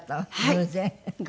偶然。